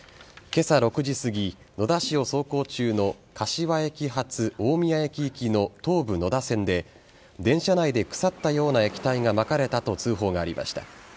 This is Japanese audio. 今朝６時すぎ野田市を走行中の柏駅発大宮駅行きの東武野田線で電車内で腐ったような液体がまかれたと通報がありました。